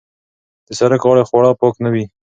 د سرک غاړې خواړه پاک نه وي.